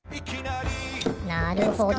なるほど。